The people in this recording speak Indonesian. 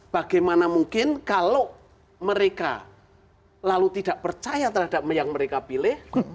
bagaimana mungkin kalau mereka lalu tidak percaya terhadap yang mereka pilih